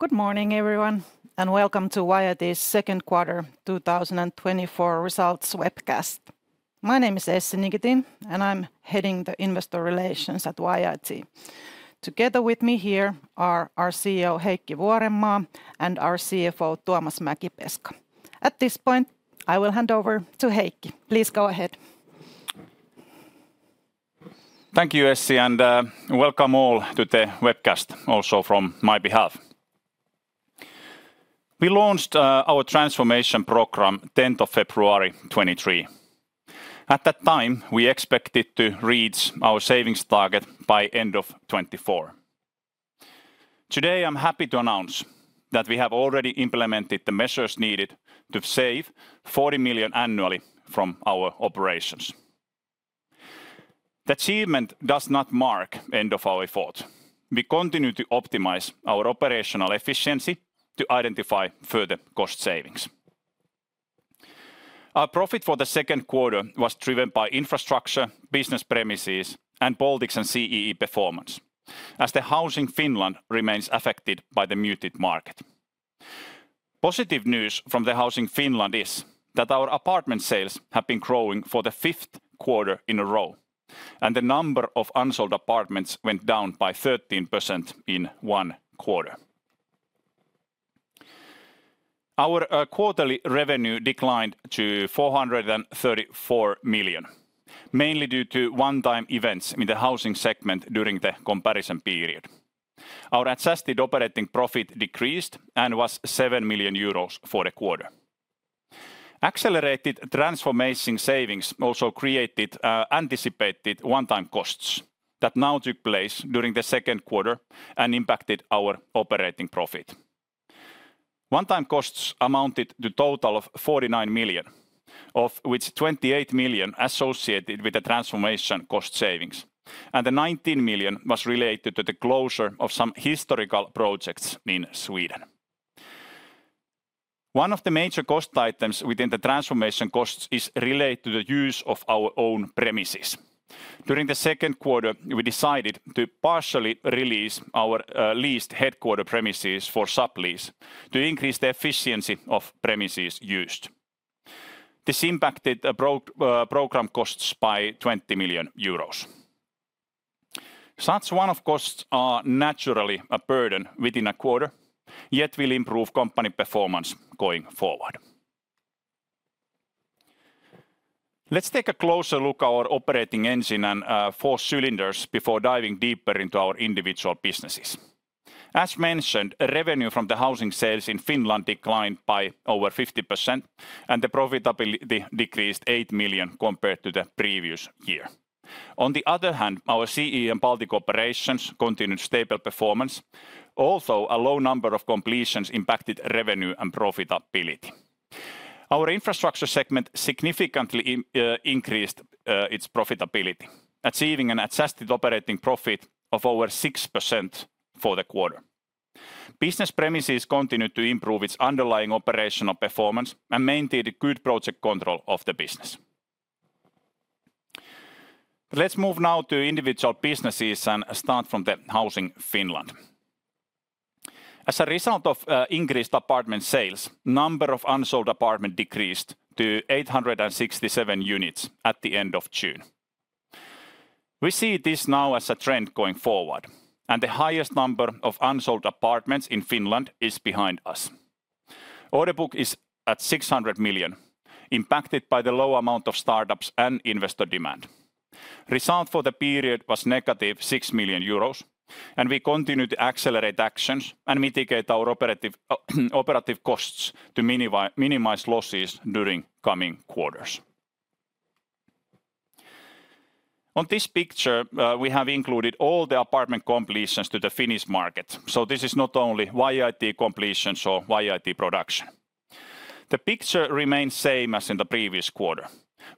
Good morning, everyone, and welcome to YIT's Second Quarter 2024 Results Webcast. My name is Essi Nikitin, and I'm heading the investor relations at YIT. Together with me here are our CEO, Heikki Vuorenmaa, and our CFO, Tuomas Mäkipeska. At this point, I will hand over to Heikki. Please go ahead. Thank you, Essi, and welcome all to the webcast, also from my behalf. We launched our transformation program tenth of February 2023. At that time, we expected to reach our savings target by end of 2024. Today, I'm happy to announce that we have already implemented the measures needed to save 40 million annually from our operations. The achievement does not mark end of our effort. We continue to optimize our operational efficiency to identify further cost savings. Our profit for the second quarter was driven by Infrastructure, Business Premises, and Baltics and CEE performance, as the Housing Finland remains affected by the muted market. Positive news from the Housing Finland is that our apartment sales have been growing for the fifth quarter in a row, and the number of unsold apartments went down by 13% in one quarter. Our quarterly revenue declined to 434 million, mainly due to one-time events in the housing segment during the comparison period. Our adjusted operating profit decreased and was 7 million euros for the quarter. Accelerated transformation savings also created anticipated one-time costs that now took place during the second quarter and impacted our operating profit. One-time costs amounted to a total of 49 million, of which 28 million associated with the transformation cost savings, and the 19 million was related to the closure of some historical projects in Sweden. One of the major cost items within the transformation costs is related to the use of our own premises. During the second quarter, we decided to partially release our leased headquarters premises for sublease to increase the efficiency of premises used. This impacted the program costs by 20 million euros. Such one-off costs are naturally a burden within a quarter, yet will improve company performance going forward. Let's take a closer look our operating engine and, 4 cylinders before diving deeper into our individual businesses. As mentioned, revenue from the housing sales in Finland declined by over 50%, and the profitability decreased 8 million compared to the previous year. On the other hand, our CEE and Baltic operations continued stable performance, although a low number of completions impacted revenue and profitability. Our Infrastructure segment significantly increased its profitability, achieving an adjusted operating profit of over 6% for the quarter. Business Premises continued to improve its underlying operational performance and maintained good project control of the business. Let's move now to individual businesses and start from the Housing Finland. As a result of increased apartment sales, number of unsold apartment decreased to 867 units at the end of June. We see this now as a trend going forward, and the highest number of unsold apartments in Finland is behind us. Order book is at 600 million, impacted by the low amount of startups and investor demand. Result for the period was negative 6 million euros, and we continue to accelerate actions and mitigate our operative costs to minimize losses during coming quarters. On this picture, we have included all the apartment completions to the Finnish market, so this is not only YIT completions or YIT production. The picture remains same as in the previous quarter.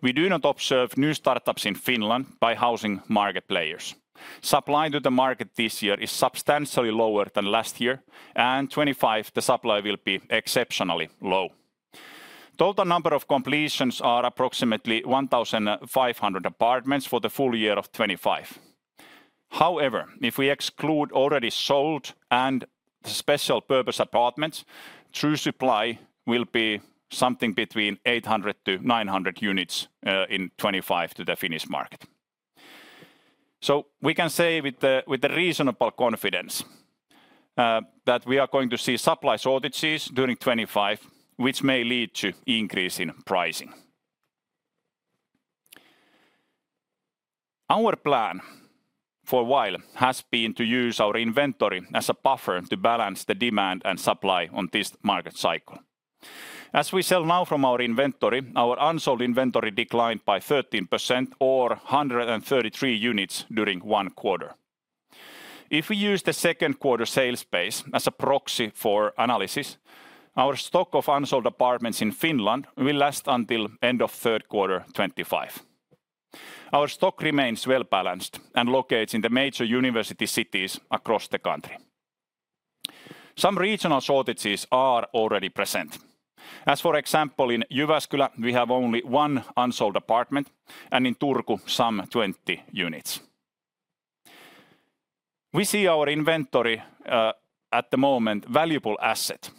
We do not observe new startups in Finland by housing market players. Supply to the market this year is substantially lower than last year, and 2025, the supply will be exceptionally low. Total number of completions are approximately 1,500 apartments for the full year of 2025. However, if we exclude already sold and special-purpose apartments, true supply will be something between 800-900 units in 2025 to the Finnish market. So we can say with the reasonable confidence that we are going to see supply shortages during 2025, which may lead to increase in pricing. Our plan for a while has been to use our inventory as a buffer to balance the demand and supply on this market cycle. As we sell now from our inventory, our unsold inventory declined by 13% or 133 units during one quarter. If we use the second quarter sales base as a proxy for analysis, our stock of unsold apartments in Finland will last until end of third quarter 2025. Our stock remains well-balanced and located in the major university cities across the country. Some regional shortages are already present. As for example, in Jyväskylä, we have only one unsold apartment, and in Turku, some 20 units. We see our inventory, at the moment, valuable asset,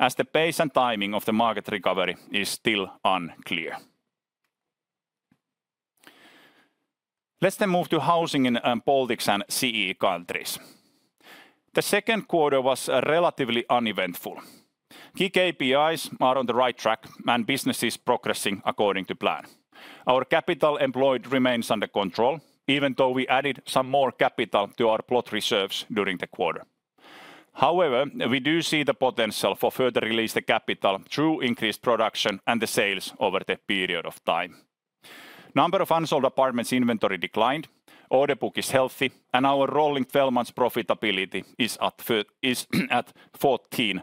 as the pace and timing of the market recovery is still unclear. Let's then move to housing in Baltics and CEE countries. The second quarter was relatively uneventful. Key KPIs are on the right track, and business is progressing according to plan. Our capital employed remains under control, even though we added some more capital to our plot reserves during the quarter. However, we do see the potential for further release the capital through increased production and the sales over the period of time. Number of unsold apartments inventory declined, order book is healthy, and our rolling 12-month profitability is at 14%.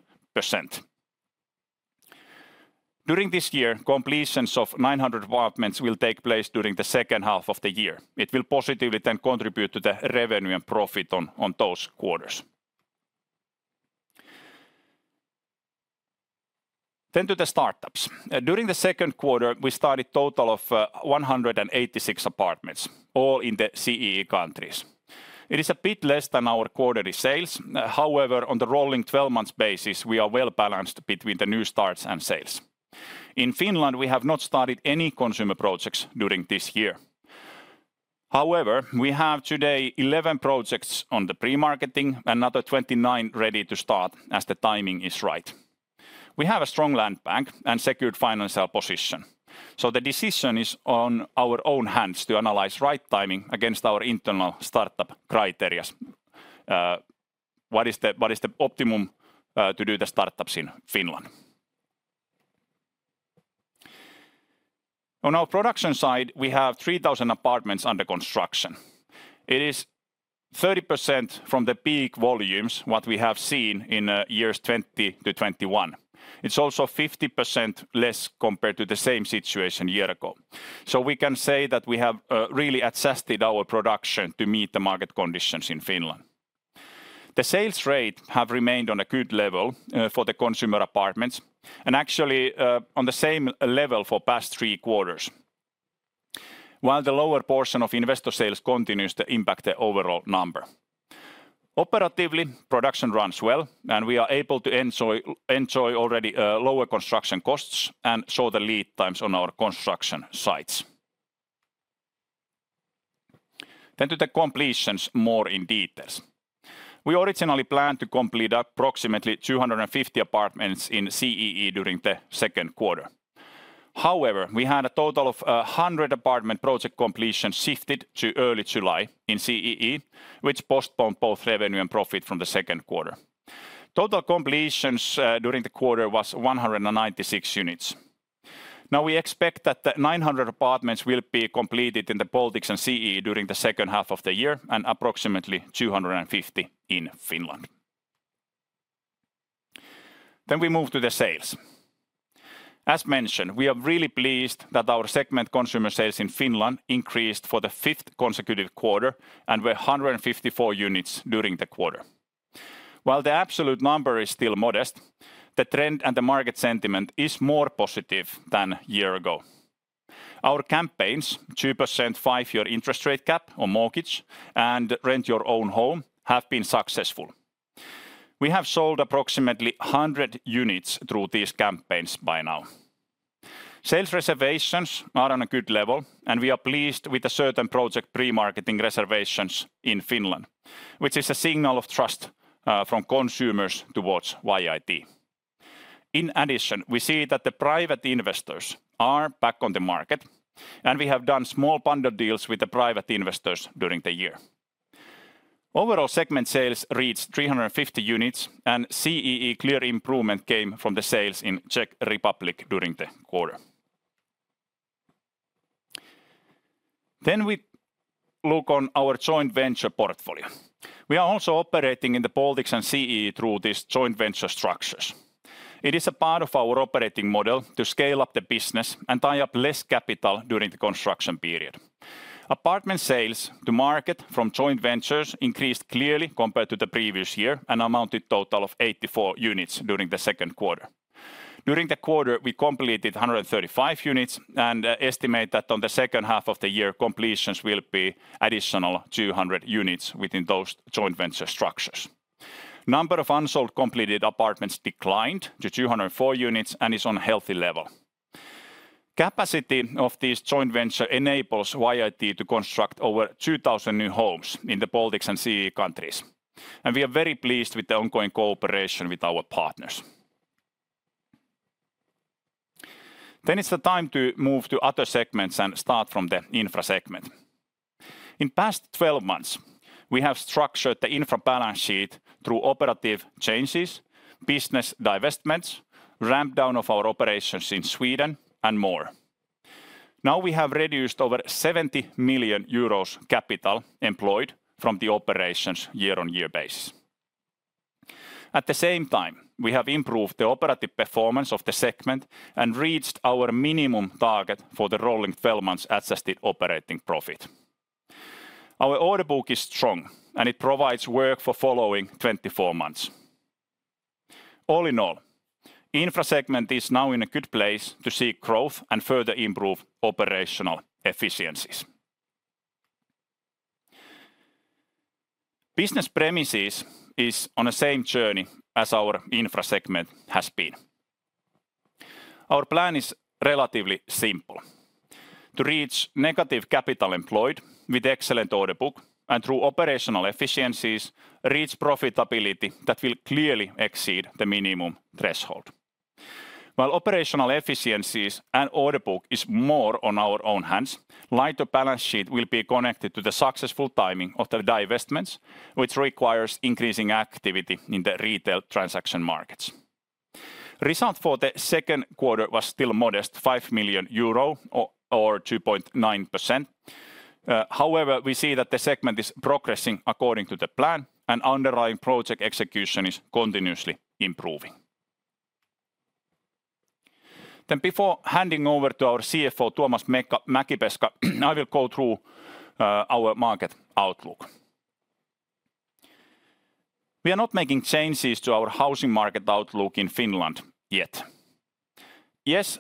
During this year, completions of 900 apartments will take place during the second half of the year. It will positively then contribute to the revenue and profit on those quarters. Then, to the startups. During the second quarter, we started total of 186 apartments, all in the CEE countries. It is a bit less than our quarterly sales. However, on the rolling 12-month basis, we are well-balanced between the new starts and sales. In Finland, we have not started any consumer projects during this year. However, we have today 11 projects on the pre-marketing, another 29 ready to start as the timing is right. We have a strong land bank and secured financial position, so the decision is in our own hands to analyze right timing against our internal startup criteria. What is the optimum to do the startups in Finland? On our production side, we have 3,000 apartments under construction. It is 30% from the peak volumes, what we have seen in years 2020 to 2021. It's also 50% less compared to the same situation a year ago. So we can say that we have really adjusted our production to meet the market conditions in Finland. The sales rate have remained on a good level for the consumer apartments, and actually on the same level for past three quarters. While the lower portion of investor sales continues to impact the overall number. Operatively, production runs well, and we are able to enjoy already lower construction costs and shorter lead times on our construction sites. Then to the completions more in detail. We originally planned to complete approximately 250 apartments in CEE during the second quarter. However, we had a total of 100 apartment project completions shifted to early July in CEE, which postponed both revenue and profit from the second quarter. Total completions during the quarter was 196 units. Now, we expect that the 900 apartments will be completed in the Baltics and CEE during the second half of the year, and approximately 250 in Finland. Then we move to the sales. As mentioned, we are really pleased that our segment consumer sales in Finland increased for the fifth consecutive quarter and were 154 units during the quarter. While the absolute number is still modest, the trend and the market sentiment is more positive than a year ago. Our campaigns, 2% five-year interest rate cap on mortgage and Rent Your Own Home, have been successful. We have sold approximately 100 units through these campaigns by now. Sales reservations are on a good level, and we are pleased with a certain project pre-marketing reservations in Finland, which is a signal of trust, from consumers towards YIT. In addition, we see that the private investors are back on the market, and we have done small bundle deals with the private investors during the year. Overall segment sales reached 350 units, and CEE clear improvement came from the sales in Czech Republic during the quarter. Then we look on our joint venture portfolio. We are also operating in the Baltics and CEE through these joint venture structures. It is a part of our operating model to scale up the business and tie up less capital during the construction period. Apartment sales to market from joint ventures increased clearly compared to the previous year and amounted total of 84 units during the second quarter. During the quarter, we completed 135 units and estimate that on the second half of the year, completions will be additional 200 units within those joint venture structures. Number of unsold completed apartments declined to 204 units and is on a healthy level. Capacity of this joint venture enables YIT to construct over 2,000 new homes in the Baltics and CEE countries, and we are very pleased with the ongoing cooperation with our partners. Then it's the time to move to other segments and start from the Infra segment. In past 12 months, we have structured the Infra balance sheet through operative changes, business divestments, ramp down of our operations in Sweden, and more. Now, we have reduced over 70 million euros capital employed from the operations year-on-year base. At the same time, we have improved the operative performance of the segment and reached our minimum target for the rolling 12 months adjusted operating profit. Our order book is strong, and it provides work for following 24 months. All in all, Infra segment is now in a good place to seek growth and further improve operational efficiencies. Business Premises is on the same journey as our Infra segment has been. Our plan is relatively simple: to reach negative capital employed with excellent order book, and through operational efficiencies, reach profitability that will clearly exceed the minimum threshold. While operational efficiencies and order book is more on our own hands, lighter balance sheet will be connected to the successful timing of the divestments, which requires increasing activity in the retail transaction markets. Result for the second quarter was still modest, 5 million euro or 2.9%. However, we see that the segment is progressing according to the plan, and underlying project execution is continuously improving. Then before handing over to our CFO, Tuomas Mäkipeska, I will go through our market outlook. We are not making changes to our housing market outlook in Finland yet. Yes,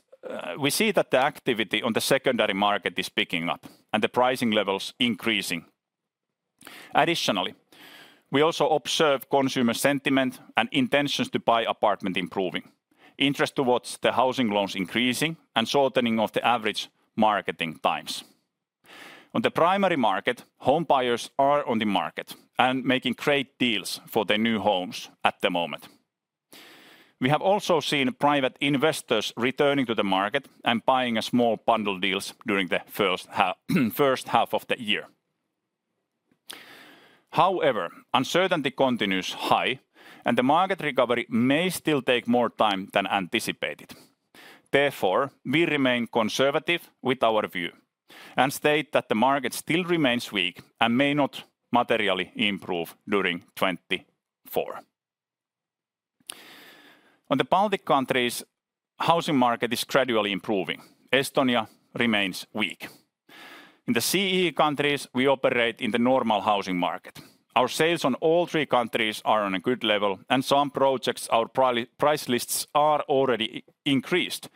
we see that the activity on the secondary market is picking up and the pricing levels increasing. Additionally, we also observe consumer sentiment and intentions to buy apartment improving, interest towards the housing loans increasing, and shortening of the average marketing times. On the primary market, home buyers are on the market and making great deals for their new homes at the moment. We have also seen private investors returning to the market and buying a small bundle deals during the first half, first half of the year. However, uncertainty continues high, and the market recovery may still take more time than anticipated. Therefore, we remain conservative with our view and state that the market still remains weak and may not materially improve during 2024. On the Baltic countries, housing market is gradually improving. Estonia remains weak. In the CEE countries, we operate in the normal housing market. Our sales on all three countries are on a good level, and some projects, our price lists are already increased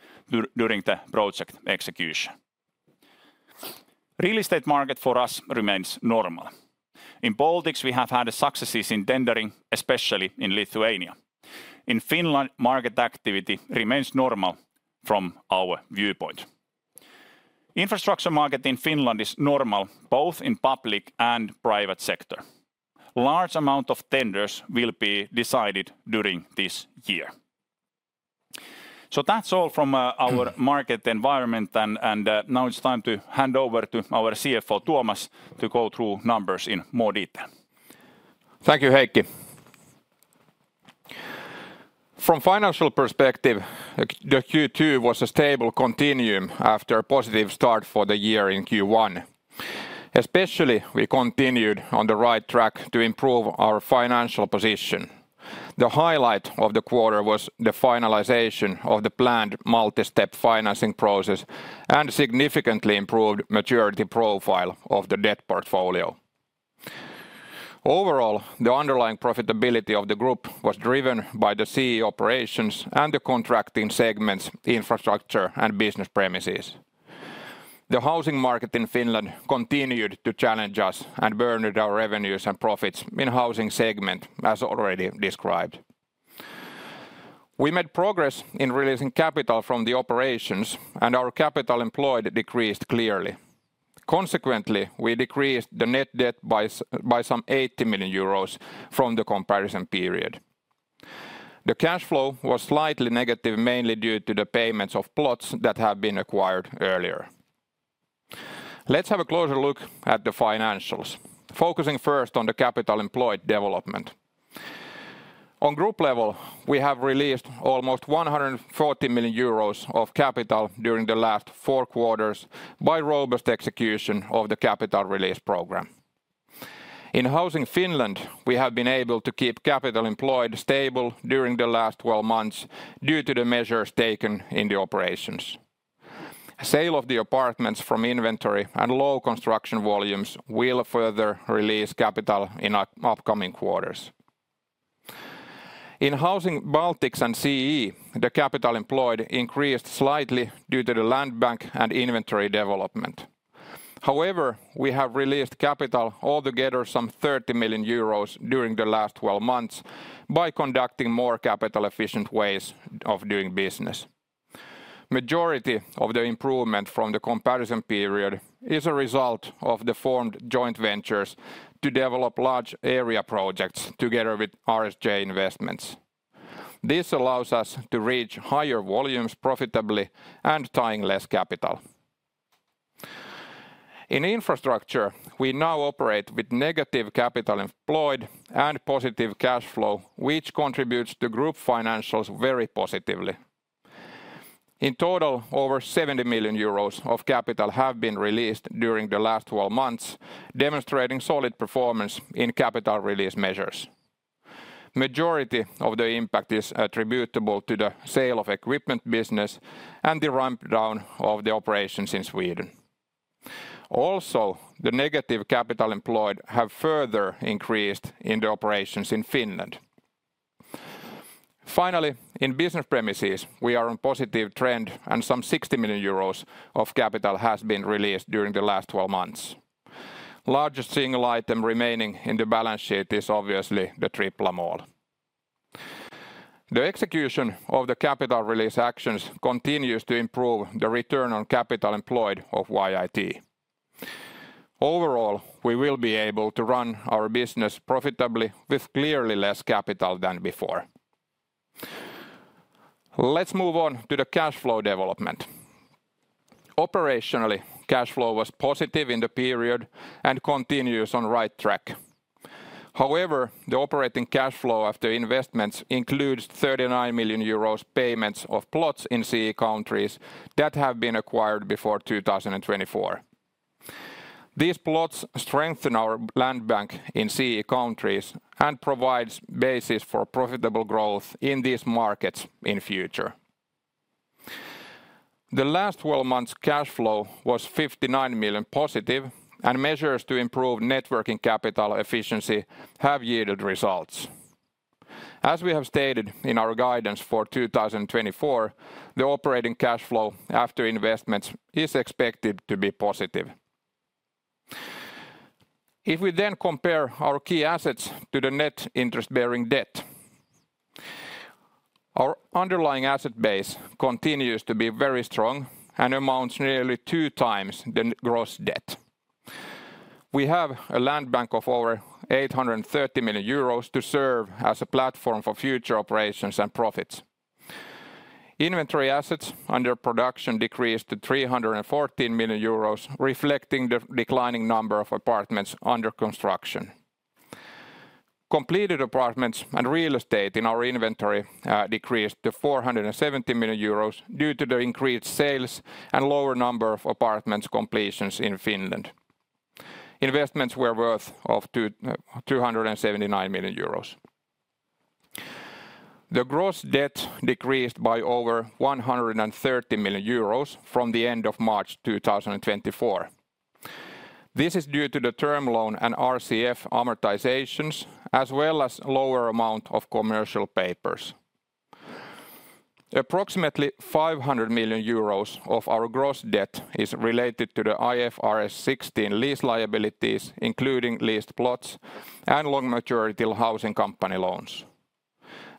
during the project execution. Real estate market for us remains normal. In Baltics, we have had successes in tendering, especially in Lithuania. In Finland, market activity remains normal from our viewpoint. Infrastructure market in Finland is normal both in public and private sector. Large amount of tenders will be decided during this year. So that's all from our market environment and now it's time to hand over to our CFO, Tuomas, to go through numbers in more detail. Thank you, Heikki. From financial perspective, the Q2 was a stable continuum after a positive start for the year in Q1. Especially, we continued on the right track to improve our financial position. The highlight of the quarter was the finalization of the planned multi-step financing process and significantly improved maturity profile of the debt portfolio. Overall, the underlying profitability of the group was driven by the CEE operations and the contracting segments, Infrastructure, and Business Premises. The housing market in Finland continued to challenge us and burdened our revenues and profits in housing segment, as already described. We made progress in releasing capital from the operations, and our capital employed decreased clearly. Consequently, we decreased the net debt by some 80 million euros from the comparison period. The cash flow was slightly negative, mainly due to the payments of plots that have been acquired earlier. Let's have a closer look at the financials, focusing first on the capital employed development. On group level, we have released almost 140 million euros of capital during the last four quarters by robust execution of the capital release program. In Housing Finland, we have been able to keep capital employed stable during the last 12 months due to the measures taken in the operations. Sale of the apartments from inventory and low construction volumes will further release capital in our upcoming quarters. In Housing Baltics and CEE, the capital employed increased slightly due to the land bank and inventory development. However, we have released capital altogether some 30 million euros during the last 12 months by conducting more capital-efficient ways of doing business. Majority of the improvement from the comparison period is a result of the formed joint ventures to develop large area projects together with RSJ Investments. This allows us to reach higher volumes profitably and tying less capital. In Infrastructure, we now operate with negative capital employed and positive cash flow, which contributes to group financials very positively. In total, over 70 million euros of capital have been released during the last 12 months, demonstrating solid performance in capital release measures. Majority of the impact is attributable to the sale of equipment business and the ramp down of the operations in Sweden. Also, the negative capital employed have further increased in the operations in Finland. Finally, in Business Premises, we are on positive trend, and some 60 million euros of capital has been released during the last 12 months. Largest single item remaining in the balance sheet is obviously the Tripla mall. The execution of the capital release actions continues to improve the return on capital employed of YIT. Overall, we will be able to run our business profitably with clearly less capital than before. Let's move on to the cash flow development. Operationally, cash flow was positive in the period and continues on right track. However, the operating cash flow after investments includes 39 million euros payments of plots in CEE countries that have been acquired before 2024. These plots strengthen our land bank in CEE countries and provides basis for profitable growth in these markets in future. The last 12 months, cash flow was 59 million positive, and measures to improve net working capital efficiency have yielded results. As we have stated in our guidance for 2024, the operating cash flow after investments is expected to be positive. If we then compare our key assets to the net interest-bearing debt, our underlying asset base continues to be very strong and amounts nearly two times the gross debt. We have a land bank of over 830 million euros to serve as a platform for future operations and profits. Inventory assets under production decreased to 314 million euros, reflecting the declining number of apartments under construction. Completed apartments and real estate in our inventory decreased to 470 million euros due to the increased sales and lower number of apartments completions in Finland. Investments were worth of two, two hundred and seventy-nine million euros. The gross debt decreased by over 130 million euros from the end of March 2024. This is due to the term loan and RCF amortizations, as well as lower amount of commercial papers. Approximately 500 million euros of our gross debt is related to the IFRS 16 lease liabilities, including leased plots and long maturity housing company loans.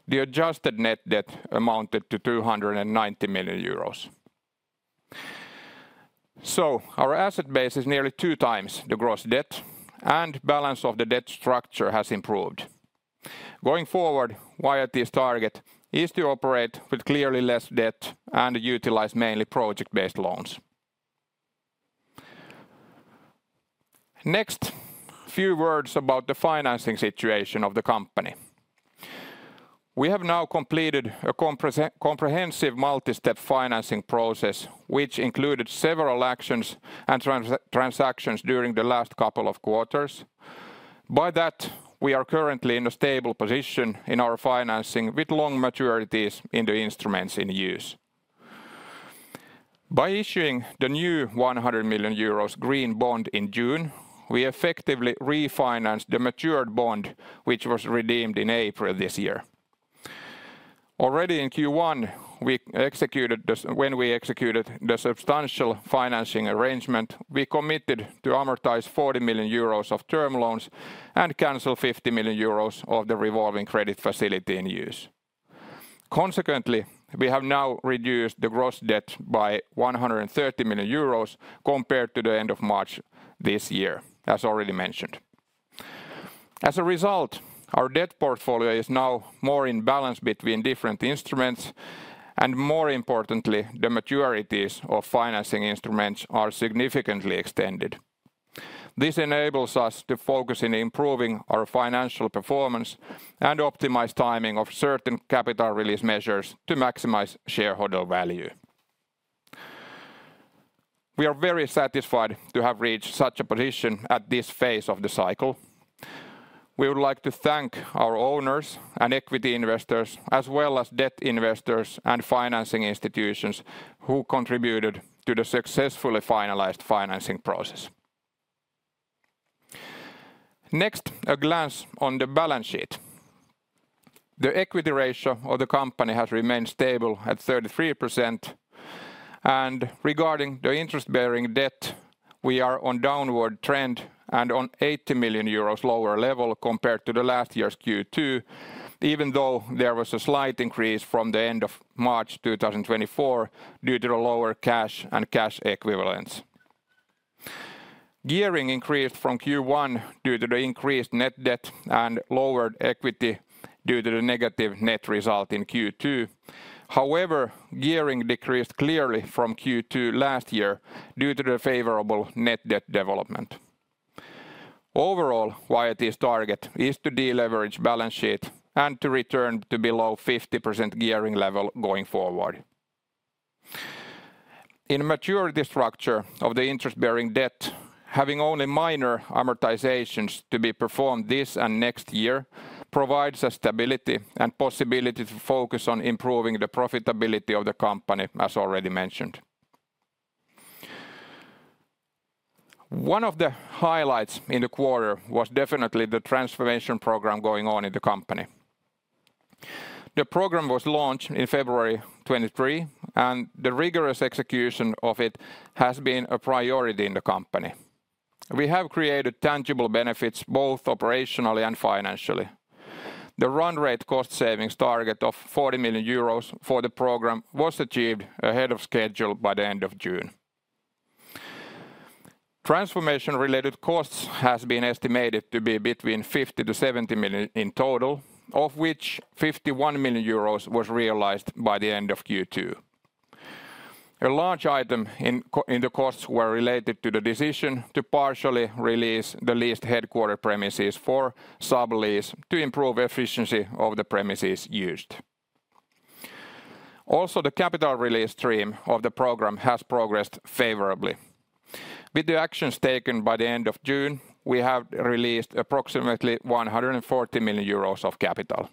The adjusted net debt amounted to 290 million euros. So our asset base is nearly two times the gross debt, and balance of the debt structure has improved. Going forward, YIT's target is to operate with clearly less debt and utilize mainly project-based loans. Next, few words about the financing situation of the company. We have now completed a comprehensive multi-step financing process, which included several actions and transactions during the last couple of quarters. By that, we are currently in a stable position in our financing with long maturities in the instruments in use. By issuing the new 100 million euros green bond in June, we effectively refinanced the matured bond, which was redeemed in April this year. Already in Q1, when we executed the substantial financing arrangement, we committed to amortize 40 million euros of term loans and cancel 50 million euros of the revolving credit facility in use. Consequently, we have now reduced the gross debt by 130 million euros compared to the end of March this year, as already mentioned. As a result, our debt portfolio is now more in balance between different instruments, and more importantly, the maturities of financing instruments are significantly extended. This enables us to focus in improving our financial performance and optimize timing of certain capital release measures to maximize shareholder value. We are very satisfied to have reached such a position at this phase of the cycle. We would like to thank our owners and equity investors, as well as debt investors and financing institutions, who contributed to the successfully finalized financing process. Next, a glance on the balance sheet. The equity ratio of the company has remained stable at 33%, and regarding the interest-bearing debt, we are on downward trend and on 80 million euros lower level compared to the last year's Q2, even though there was a slight increase from the end of March 2024 due to the lower cash and cash equivalents. Gearing increased from Q1 due to the increased net debt and lowered equity due to the negative net result in Q2. However, gearing decreased clearly from Q2 last year due to the favorable net debt development. Overall, YIT's target is to deleverage balance sheet and to return to below 50% gearing level going forward. In maturity structure of the interest-bearing debt, having only minor amortizations to be performed this and next year provides us stability and possibility to focus on improving the profitability of the company, as already mentioned. One of the highlights in the quarter was definitely the transformation program going on in the company. The program was launched in February 2023, and the rigorous execution of it has been a priority in the company. We have created tangible benefits, both operationally and financially. The run rate cost savings target of 40 million euros for the program was achieved ahead of schedule by the end of June. Transformation-related costs has been estimated to be between 50-70 million in total, of which 51 million euros was realized by the end of Q2. A large item in the costs were related to the decision to partially release the leased headquarters premises for sublease to improve efficiency of the premises used. Also, the capital release stream of the program has progressed favorably. With the actions taken by the end of June, we have released approximately 140 million euros of capital.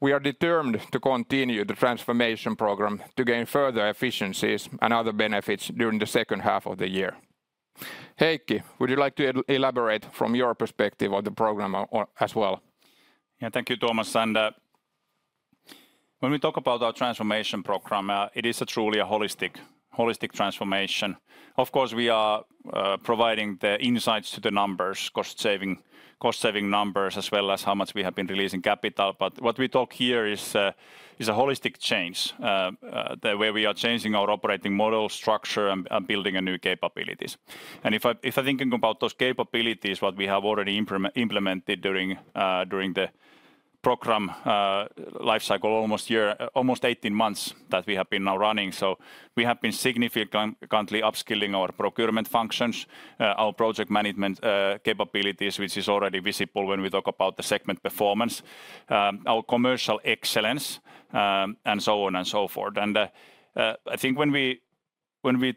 We are determined to continue the transformation program to gain further efficiencies and other benefits during the second half of the year. Heikki, would you like to elaborate from your perspective of the program as well? Yeah, thank you, Tuomas, and, when we talk about our transformation program, it is a truly a holistic, holistic transformation. Of course, we are providing the insights to the numbers, cost saving, cost saving numbers, as well as how much we have been releasing capital, but what we talk here is, is a holistic change. The way we are changing our operating model structure and, and building a new capabilities. And if I, if I thinking about those capabilities, what we have already implemented during, during the program, life cycle, almost 18 months that we have been now running, so we have been significantly upskilling our procurement functions, our project management, capabilities, which is already visible when we talk about the segment performance, our commercial excellence, and so on and so forth. And, I think when we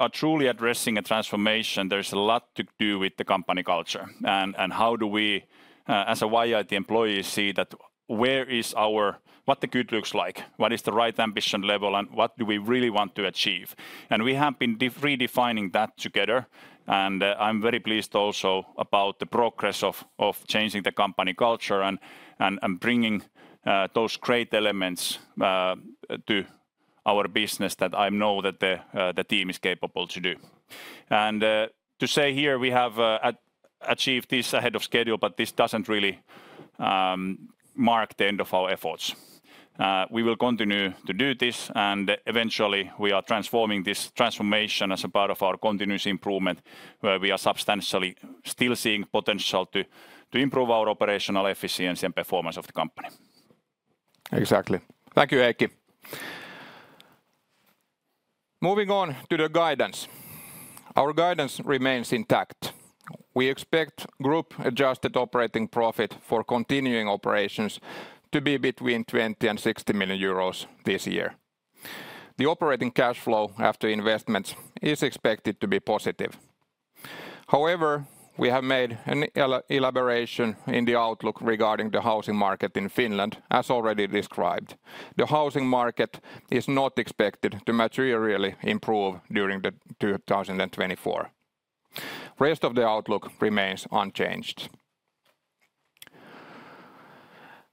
are truly addressing a transformation, there's a lot to do with the company culture, and how do we, as a YIT employee, see that where is our. what the good looks like? What is the right ambition level, and what do we really want to achieve? And we have been redefining that together, and, I'm very pleased also about the progress of changing the company culture and bringing those great elements to our business that I know that the team is capable to do. And, to say here, we have achieved this ahead of schedule, but this doesn't really mark the end of our efforts. We will continue to do this, and eventually, we are transforming this transformation as a part of our continuous improvement, where we are substantially still seeing potential to improve our operational efficiency and performance of the company. Exactly. Thank you, Heikki. Moving on to the guidance. Our guidance remains intact. We expect group-adjusted operating profit for continuing operations to be between 20 million and 60 million euros this year. The operating cash flow after investments is expected to be positive. However, we have made an elaboration in the outlook regarding the housing market in Finland, as already described. The housing market is not expected to materially improve during 2024. Rest of the outlook remains unchanged.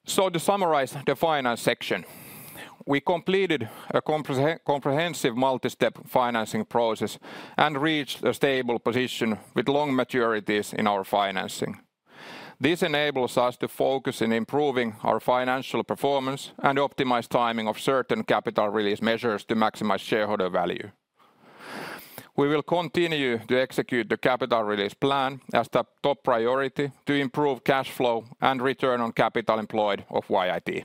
To summarize the finance section, we completed a comprehensive multi-step financing process and reached a stable position with long maturities in our financing. This enables us to focus in improving our financial performance and optimize timing of certain capital release measures to maximize shareholder value. We will continue to execute the capital release plan as the top priority to improve cash flow and return on capital employed of YIT.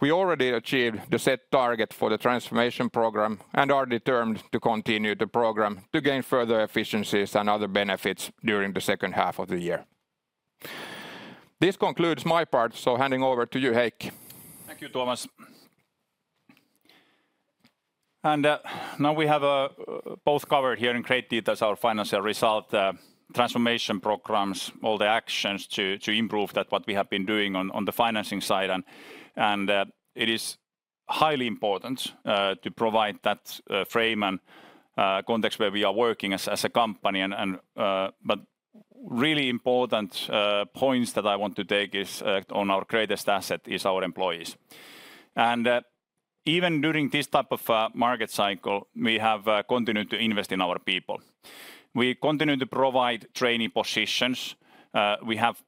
We already achieved the set target for the transformation program and are determined to continue the program to gain further efficiencies and other benefits during the second half of the year. This concludes my part, so handing over to you, Heikki. Thank you, Tuomas. And now we have both covered here in great detail our financial result, transformation programs, all the actions to improve that, what we have been doing on the financing side, and it is highly important to provide that frame and context where we are working as a company. But really important points that I want to take is on our greatest asset is our employees. And even during this type of market cycle, we have continued to invest in our people. We continue to provide training positions. We have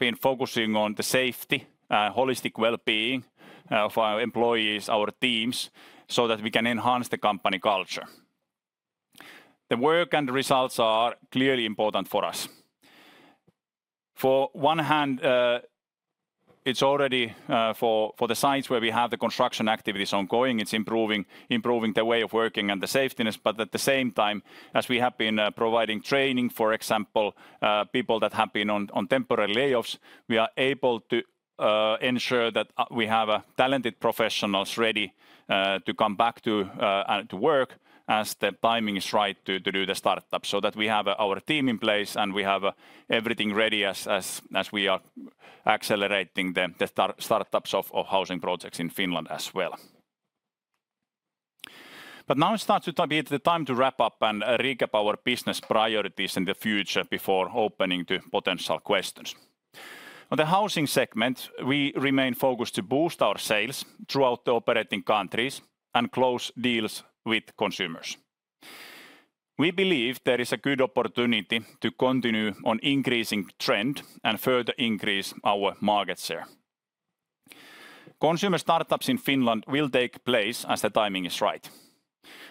been focusing on the safety, holistic well-being of our employees, our teams, so that we can enhance the company culture. The work and results are clearly important for us. On one hand, it's already for the sites where we have the construction activities ongoing, it's improving the way of working and the safety, but at the same time, as we have been providing training, for example, people that have been on temporary layoffs, we are able to ensure that we have a talented professionals ready to come back to and to work as the timing is right to do the startup, so that we have our team in place, and we have everything ready as we are accelerating the startups of housing projects in Finland as well. But now it starts to be the time to wrap up and recap our business priorities in the future before opening to potential questions. On the housing segment, we remain focused to boost our sales throughout the operating countries and close deals with consumers. We believe there is a good opportunity to continue on increasing trend and further increase our market share. Consumer startups in Finland will take place as the timing is right.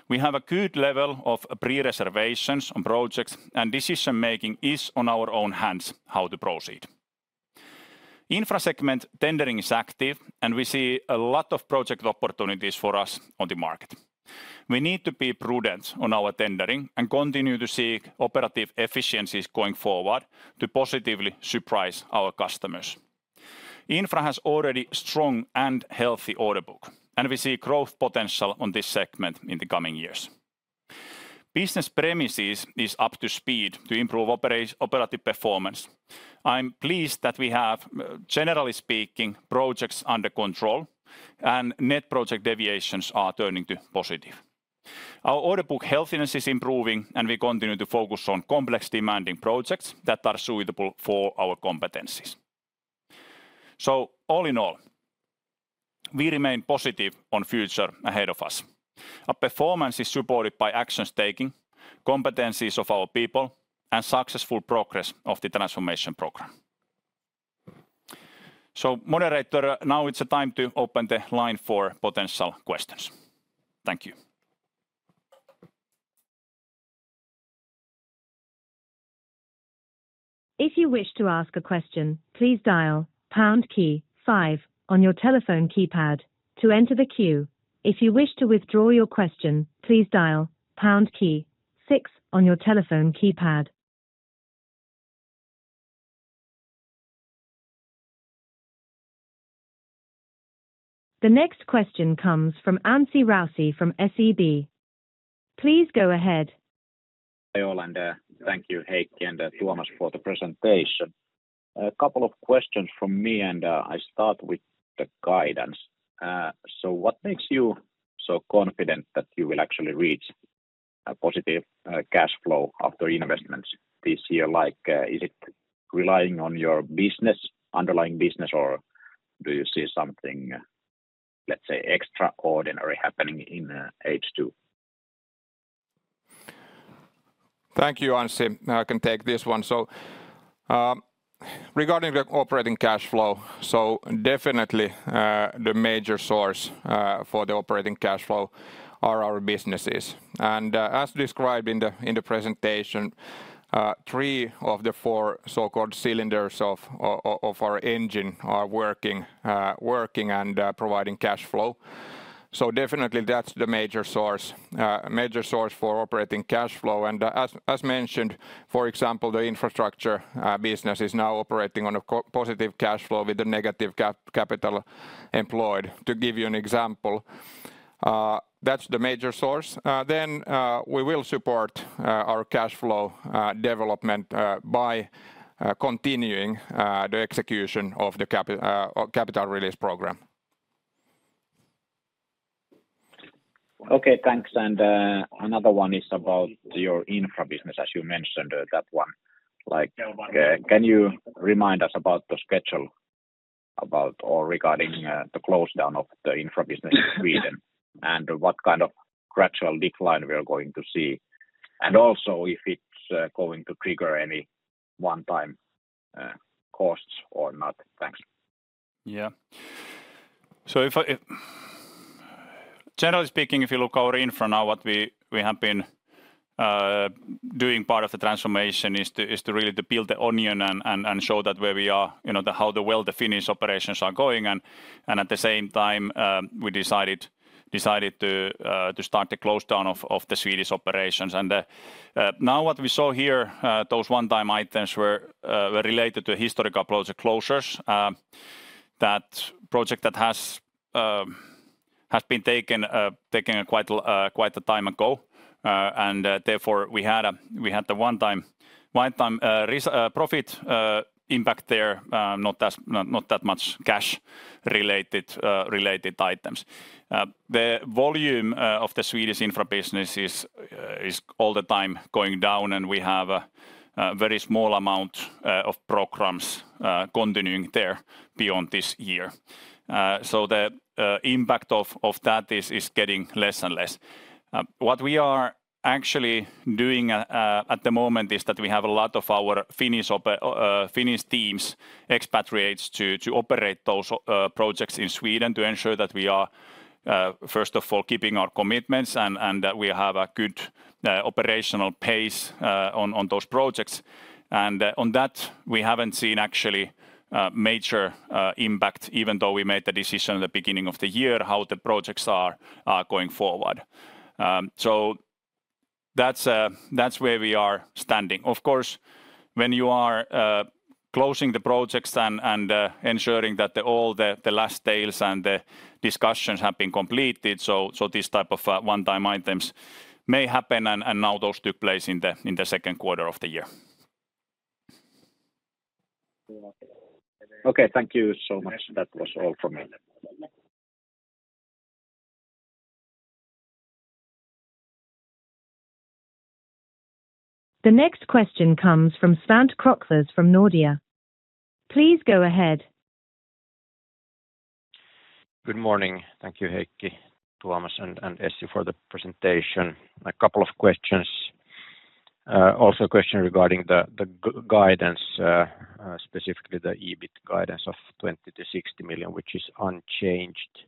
We have a good level of pre-reservations on projects, and decision-making is on our own hands how to proceed. Infra segment tendering is active, and we see a lot of project opportunities for us on the market. We need to be prudent on our tendering and continue to seek operative efficiencies going forward to positively surprise our customers. Infra has already strong and healthy order book, and we see growth potential on this segment in the coming years. Business Premises is up to speed to improve operative performance. I'm pleased that we have, generally speaking, projects under control, and net project deviations are turning to positive. Our order book healthiness is improving, and we continue to focus on complex, demanding projects that are suitable for our competencies. So all in all, we remain positive on future ahead of us. Our performance is supported by actions taking, competencies of our people, and successful progress of the transformation program. So moderator, now it's the time to open the line for potential questions. Thank you. If you wish to ask a question, please dial pound key five on your telephone keypad to enter the queue. If you wish to withdraw your question, please dial pound key six on your telephone keypad. The next question comes from Anssi Kiviniemi from SEB. Please go ahead. Hi, all, and thank you, Heikki and Tuomas, for the presentation. A couple of questions from me, and I start with the guidance. So what makes you so confident that you will actually reach a positive cash flow after investments this year? Like, is it relying on your business, underlying business, or do you see something, let's say, extraordinary happening in H2? Thank you, Anssi. I can take this one. So, regarding the operating cash flow, so definitely, the major source for the operating cash flow are our businesses. And, as described in the presentation, three of the four so-called cylinders of our engine are working and providing cash flow. So definitely that's the major source for operating cash flow. And as mentioned, for example, the Infrastructure business is now operating on a positive cash flow with a negative capital employed, to give you an example. That's the major source. Then, we will support our cash flow development by continuing the execution of the capital release program. Okay, thanks. And, another one is about your Infra business, as you mentioned, that one. Like, can you remind us about the schedule about or regarding the close down of the Infra business in Sweden, and what kind of gradual decline we are going to see? And also, if it's going to trigger any one-time costs or not. Thanks. Yeah. Generally speaking, if you look our Infra now, what we have been doing part of the transformation is to really build the onion and show that where we are, you know, how well the Finnish operations are going, and at the same time, we decided to start the close down of the Swedish operations. Now what we saw here, those one-time items were related to historical project closures. That project that has been taken quite a time ago, and therefore, we had the one-time profit impact there, not that much cash related items. The volume of the Swedish Infra business is all the time going down, and we have a very small amount of programs continuing there beyond this year. So the impact of that is getting less and less. What we are actually doing at the moment is that we have a lot of our Finnish teams expatriates to operate those projects in Sweden to ensure that we are first of all keeping our commitments and that we have a good operational pace on those projects. And on that, we haven't seen actually major impact, even though we made the decision at the beginning of the year, how the projects are going forward. So that's where we are standing. Of course, when you are closing the projects and ensuring that all the last deals and the discussions have been completed, so this type of one-time items may happen, and now those took place in the second quarter of the year. Okay, thank you so much. That was all from me. The next question comes from Svante Krokfors from Nordea. Please go ahead. Good morning. Thank you, Heikki, Tuomas, and Essi for the presentation. A couple of questions. Also a question regarding the guidance, specifically the EBIT guidance of 20 million-60 million, which is unchanged.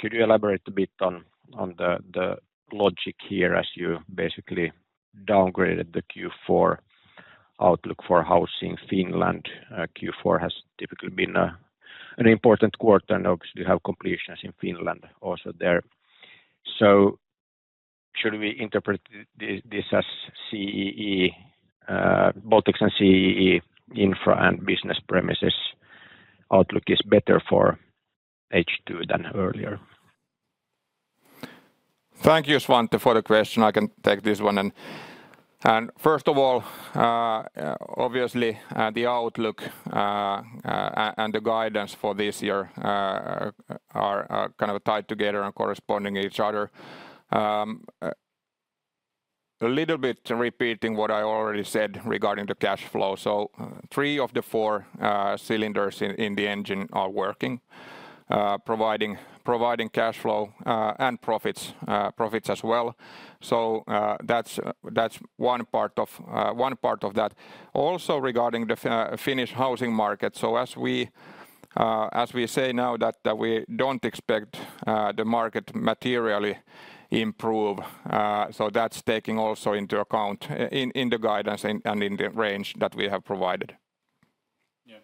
Could you elaborate a bit on the logic here as you basically downgraded the Q4 outlook for Housing Finland? Q4 has typically been an important quarter, and obviously you have completions in Finland also there. So should we interpret this as CEE, Baltics and CEE Infra and Business Premises outlook is better for H2 than earlier? Thank you, Svante, for the question. I can take this one. First of all, obviously, the outlook and the guidance for this year are kind of tied together and corresponding each other. A little bit repeating what I already said regarding the cash flow. So three of the four cylinders in the engine are working, providing cash flow and profits as well. So that's one part of that. Also, regarding the Finnish housing market, so as we say now that we don't expect the market materially improve, so that's taking also into account in the guidance and in the range that we have provided. Yeah.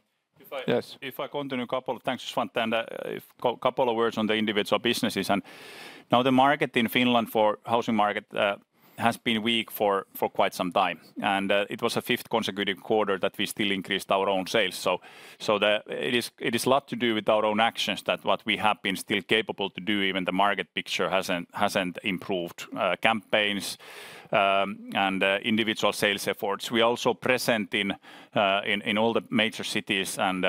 Yes. If I continue. Thanks, Svante, and a couple of words on the individual businesses. Now the market in Finland for housing market has been weak for quite some time, and it was a fifth consecutive quarter that we still increased our own sales. So it is a lot to do with our own actions that what we have been still capable to do, even the market picture hasn't improved, campaigns, and individual sales efforts. We are also present in all the major cities, and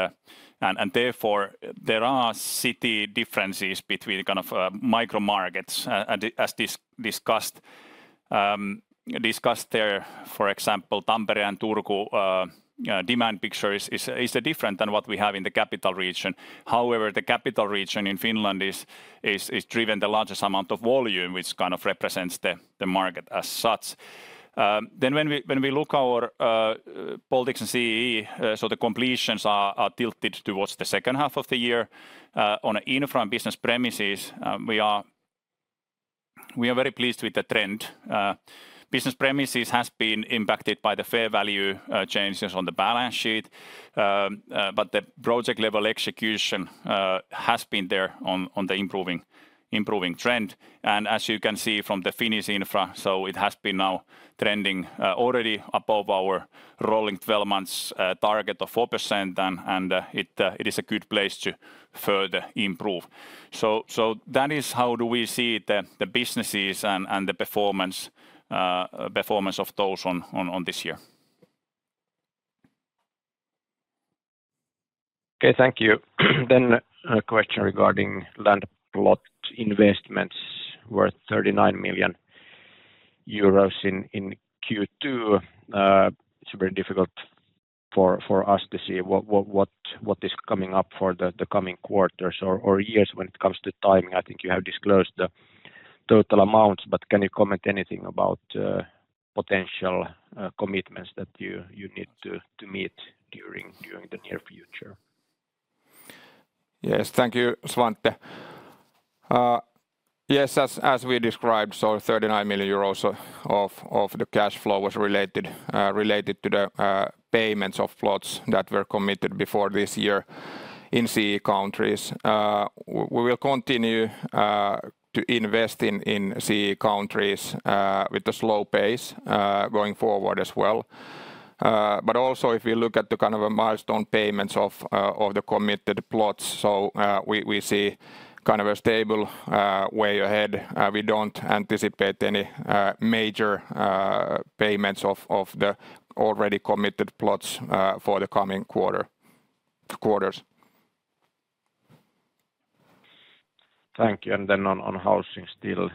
therefore there are city differences between kind of micro markets. And as discussed there, for example, Tampere and Turku, demand picture is different than what we have in the capital region. However, the capital region in Finland is driven the largest amount of volume, which kind of represents the market as such. Then when we look our Baltics and CEE, so the completions are tilted towards the second half of the year. On Infra and Business Premises, we are very pleased with the trend. Business Premises has been impacted by the fair value changes on the balance sheet. But the project-level execution has been there on the improving trend. And as you can see from the Finnish Infra, so it has been now trending already above our rolling twelve months target of 4%, and it is a good place to further improve. That is how we see the businesses and the performance of those on this year. Okay, thank you. Then a question regarding land plot investments worth 39 million euros in Q2. It's very difficult for us to see what is coming up for the coming quarters or years when it comes to timing. I think you have disclosed the total amounts, but can you comment anything about potential commitments that you need to meet during the near future? Yes. Thank you, Svante. Yes, as we described, so 39 million euros of the cash flow was related to the payments of plots that were committed before this year in CEE countries. We will continue to invest in CEE countries with a slow pace going forward as well. But also, if we look at the kind of a milestone payments of the committed plots, so we see kind of a stable way ahead. We don't anticipate any major payments of the already committed plots for the coming quarter, quarters. Thank you. And then on housing still,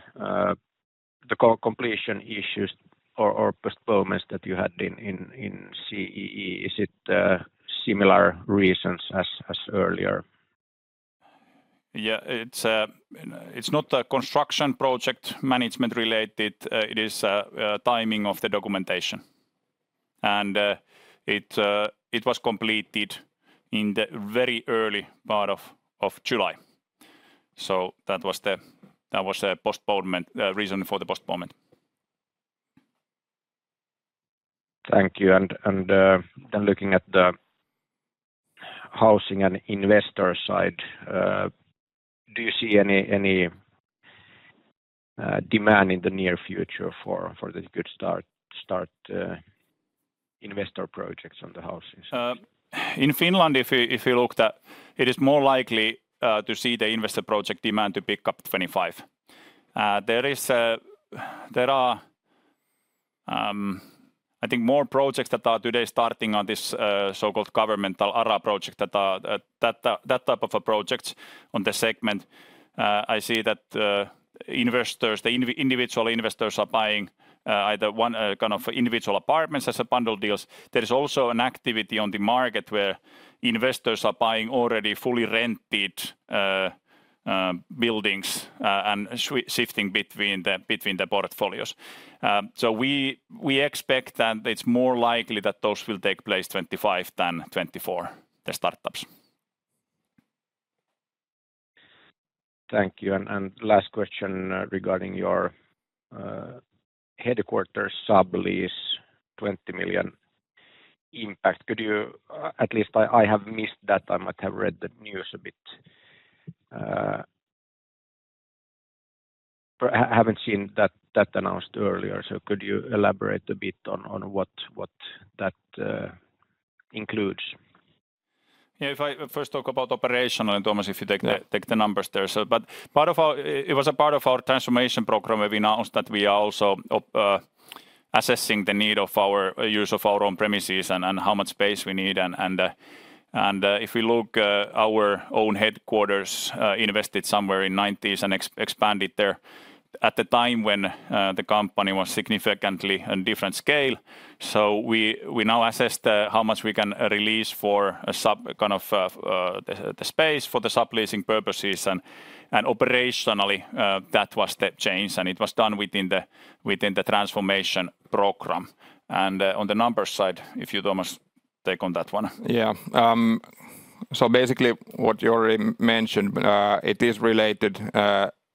the completion issues or postponements that you had in CEE, is it similar reasons as earlier? Yeah, it's not a construction project management related. It is timing of the documentation. And it was completed in the very early part of July. So that was the postponement, the reason for the postponement. Thank you. Then looking at the housing and investor side, do you see any demand in the near future for the good start investor projects on the houses? In Finland, if you look at it, it is more likely to see the investor project demand to pick up 2025. There is a... I think more projects that are today starting on this so-called governmental ARA project that are that type of a project on the segment. I see that investors, the individual investors are buying either one kind of individual apartments as bundle deals. There is also an activity on the market where investors are buying already fully rented buildings and shifting between the portfolios. So we expect that it's more likely that those will take place 2025 than 2024, the startups. Thank you. And last question regarding your headquarters sublease, 20 million impact. Could you? At least I have missed that. I might have read the news a bit. But I haven't seen that announced earlier, so could you elaborate a bit on what that includes? Yeah, if I first talk about operational, and Tuomas Yeah if you take the numbers there. So but part of our, it was a part of our transformation program, where we announced that we are also up assessing the need of our use of our own premises and if we look our own headquarters, invested somewhere in the 1990s and expanded there at the time when the company was significantly in different scale. So we now assess how much we can release for a sub kind of the space for the subleasing purposes. And operationally, that was the change, and it was done within the transformation program. And on the numbers side, if you, Tuomas, take on that one. Yeah. So basically what you already mentioned, it is related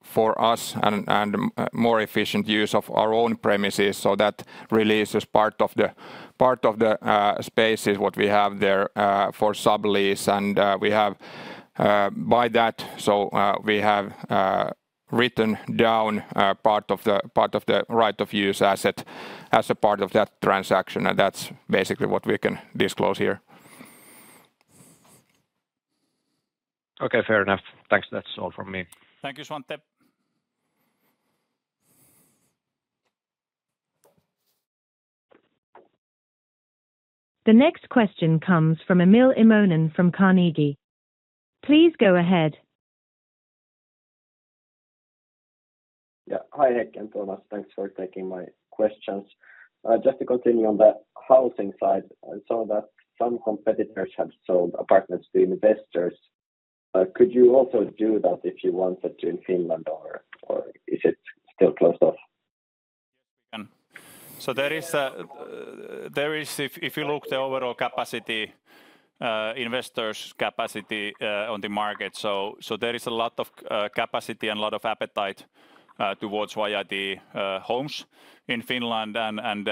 for us and more efficient use of our own premises, so that release is part of the space, is what we have there for sublease. We have by that, so we have written down part of the right of use asset as a part of that transaction, and that's basically what we can disclose here. Okay, fair enough. Thanks. That's all from me. Thank you, Svante. The next question comes from Emil Immonen from Carnegie. Please go ahead. Yeah. Hi, Heikki and Tuomas. Thanks for taking my questions. Just to continue on the housing side, I saw that some competitors have sold apartments to investors. Could you also do that if you wanted to in Finland, or, or is it still closed off? Yes, we can. So there is. If you look the overall capacity, investors' capacity on the market, so there is a lot of capacity and a lot of appetite towards YIT homes in Finland. And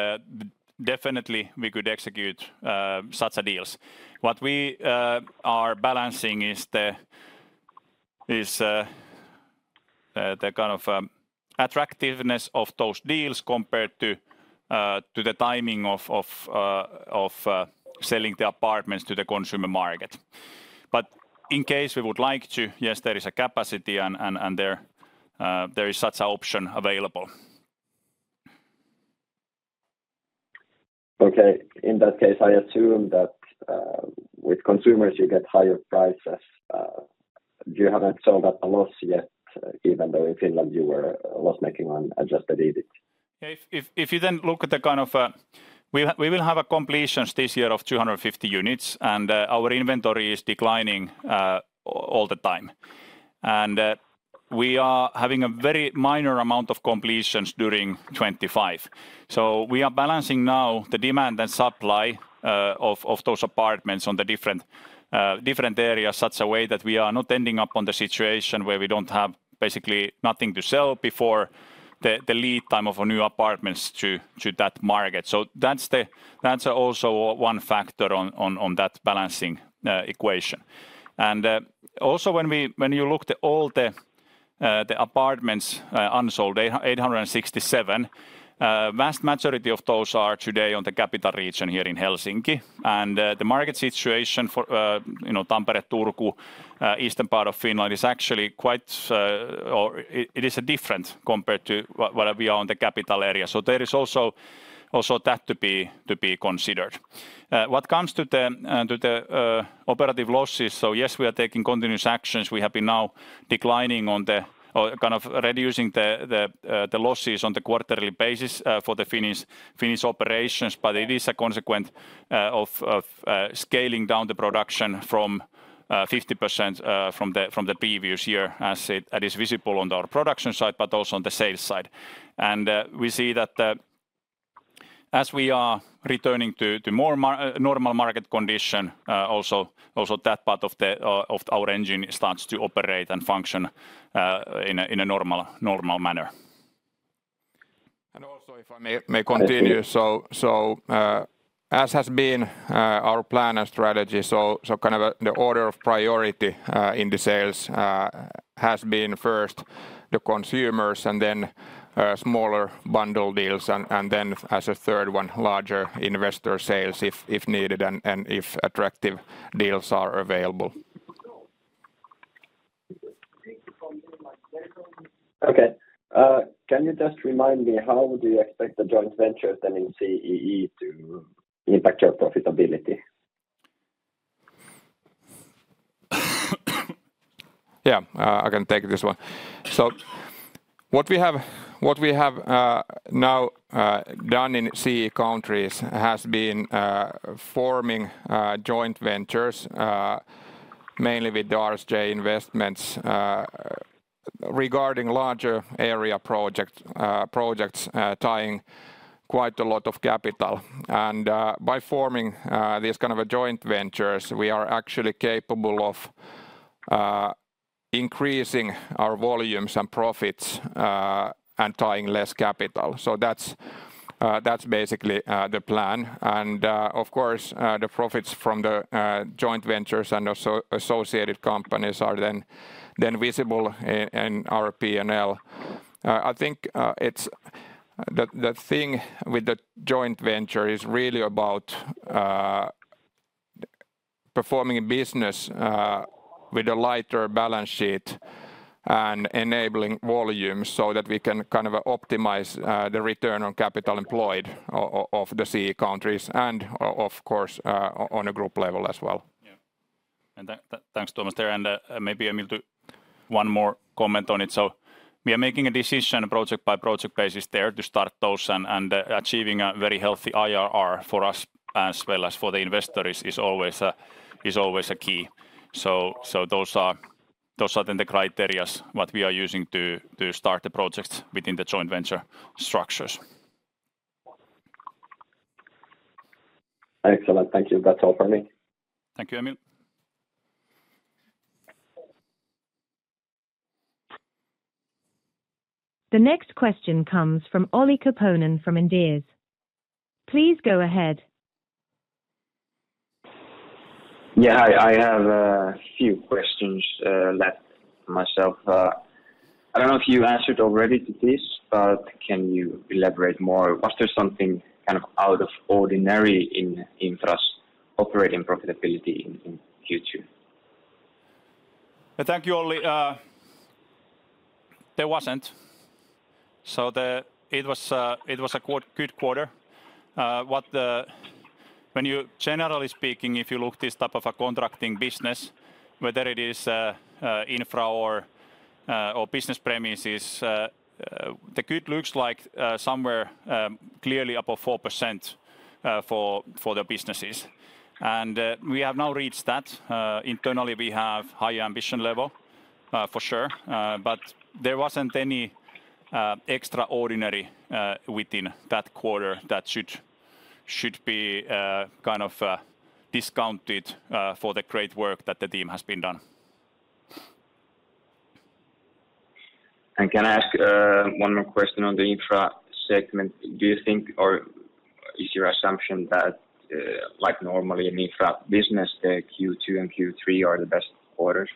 definitely we could execute such a deals. What we are balancing is the kind of attractiveness of those deals compared to the timing of selling the apartments to the consumer market. But in case we would like to, yes, there is a capacity, and there is such an option available. Okay. In that case, I assume that, with consumers you get higher prices. You haven't sold at a loss yet, even though in Finland you were loss-making on Adjusted EBIT. Yeah, if you then look at the kind of. We will have completions this year of 250 units, and our inventory is declining all the time. And we are having a very minor amount of completions during 2025. So we are balancing now the demand and supply of those apartments on the different different areas such a way that we are not ending up on the situation where we don't have basically nothing to sell before the lead time of a new apartments to that market. So that's the- that's also one factor on that balancing equation. And also when we. When you look at all the apartments unsold, 867, vast majority of those are today on the capital region here in Helsinki. The market situation for, you know, Tampere, Turku, eastern part of Finland, is actually quite. Or it is different compared to what, where we are on the capital area. So there is also that to be considered. What comes to the operative losses, so yes, we are taking continuous actions. We have been now declining on the or kind of reducing the losses on the quarterly basis, for the Finnish operations. But it is a consequent of scaling down the production from 50% from the previous year, as it is visible on our production side, but also on the sales side. And we see that as we are returning to more normal market condition, also that part of our engine starts to operate and function in a normal manner. Also, if I may continue. Thank you. So, as has been our plan and strategy, so kind of the order of priority in the sales has been first the consumers, and then smaller bundle deals, and then as a third one, larger investor sales, if needed, and if attractive deals are available. Okay, can you just remind me how do you expect the joint venture then in CEE to impact your profitability? Yeah, I can take this one. So what we have now done in CEE countries has been forming joint ventures mainly with the RSJ Investments regarding larger area projects tying quite a lot of capital. And by forming these kind of a joint ventures, we are actually capable of increasing our volumes and profits and tying less capital. So that's basically the plan. And of course the profits from the joint ventures and associated companies are then visible in our P&L. I think it's. The thing with the joint venture is really about performing business with a lighter balance sheet and enabling volumes so that we can kind of optimize the return on capital employed of the CEE countries, and of course, on a group level as well. Yeah. And thanks, Tuomas, there, and, maybe, Emil, to one more comment on it. So we are making a decision project-by-project basis there to start those and achieving a very healthy IRR for us as well as for the investors is always a key. So those are then the criteria what we are using to start the projects within the joint venture structures. Excellent. Thank you. That's all for me. Thank you, Emil. The next question comes from Olli Koponen from Inderes. Please go ahead. Yeah, I have a few questions left myself. I don't know if you answered already to this, but can you elaborate more? Was there something kind of out of ordinary in Infra's operating profitability in Q2? Thank you, Olli. It was a good quarter. When you, generally speaking, if you look at this type of a contracting business, whether it is Infra or Business Services, what the good looks like somewhere clearly above 4% for the businesses. We have now reached that. Internally, we have high ambition level, for sure. But there wasn't any extraordinary within that quarter that should be kind of discounted for the great work that the team has been done. Can I ask one more question on the Infra segment? Do you think, or is your assumption that, like normally in Infra business, the Q2 and Q3 are the best quarters?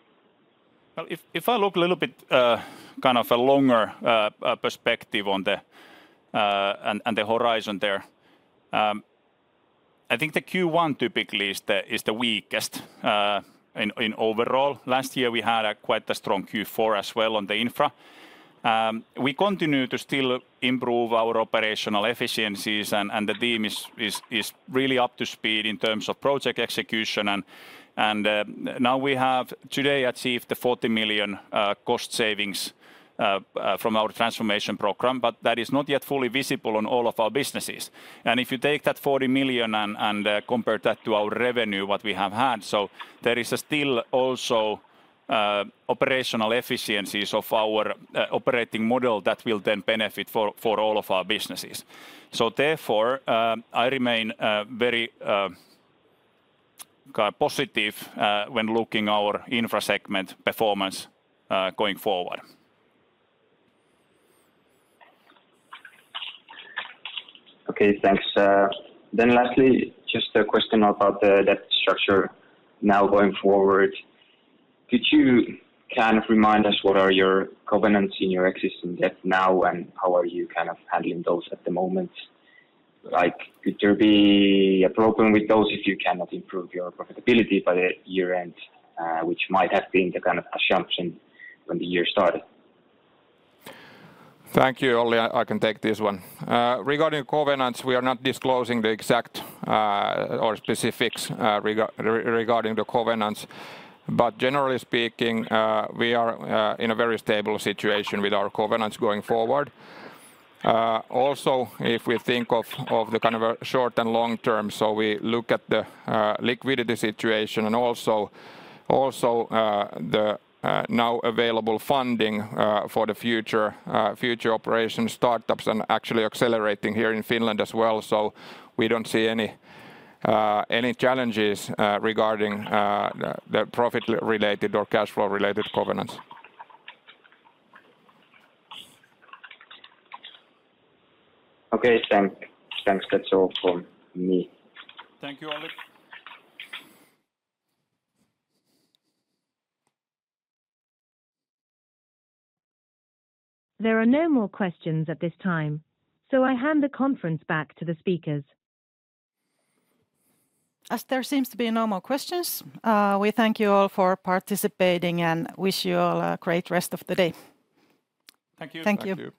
Well, if I look a little bit, kind of a longer perspective on the horizon there, I think the Q1 typically is the weakest in overall. Last year we had quite a strong Q4 as well on the Infra. We continue to still improve our operational efficiencies and the team is really up to speed in terms of project execution. And now we have today achieved the 40 million cost savings from our transformation program, but that is not yet fully visible on all of our businesses. And if you take that 40 million and compare that to our revenue, what we have had, so there is still also operational efficiencies of our operating model that will then benefit for all of our businesses. So therefore, I remain very positive when looking our Infra segment performance going forward. Okay, thanks. Then lastly, just a question about the debt structure now going forward. Could you kind of remind us what are your covenants in your existing debt now, and how are you kind of handling those at the moment? Like, could there be a problem with those if you cannot improve your profitability by the year end, which might have been the kind of assumption when the year started? Thank you, Olli. I can take this one. Regarding covenants, we are not disclosing the exact, or specifics, regarding the covenants, but generally speaking, we are in a very stable situation with our covenants going forward. Also, if we think of the kind of a short and long term, so we look at the liquidity situation and also the now available funding for the future future operation startups and actually accelerating here in Finland as well. So we don't see any any challenges regarding the profit-related or cash flow-related covenants. Okay, thanks. That's all from me. Thank you, Olli. There are no more questions at this time, so I hand the conference back to the speakers. As there seems to be no more questions, we thank you all for participating and wish you all a great rest of the day. Thank you. Thank you.